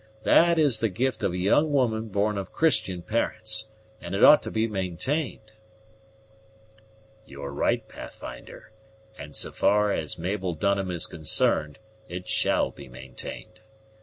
That is the gift of a young woman born of Christian parents, and it ought to be maintained." "You are right, Pathfinder; and so far as Mabel Dunham is concerned, it shall be maintained.